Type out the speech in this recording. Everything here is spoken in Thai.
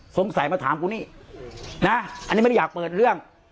สงสัยมาถามกูนี่นะอันนี้ไม่ได้อยากเปิดเรื่อง